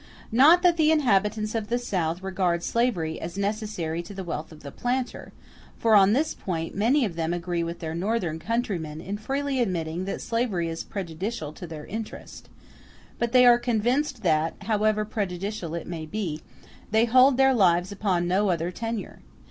Not that the inhabitants of the South regard slavery as necessary to the wealth of the planter, for on this point many of them agree with their Northern countrymen in freely admitting that slavery is prejudicial to their interest; but they are convinced that, however prejudicial it may be, they hold their lives upon no other tenure.